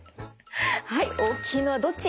はい大きいのはどっち？